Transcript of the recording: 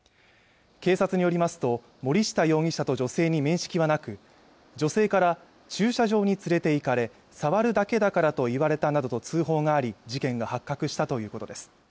警察によりますと森下容疑者と女性に面識はなく女性から駐車場に連れていかれ触るだけだからと言われたなどと通報があり事件が発覚したということです